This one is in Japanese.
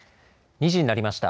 ２時になりました。